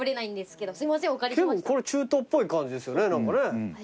けどこれ中東っぽい感じですよね何かね。